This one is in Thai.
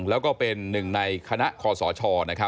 แล้วก็เป็นหนึ่งในคณะคอสช